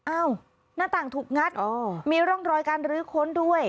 หน้าต่างถูกงัดมีร่องรอยการรื้อค้นด้วย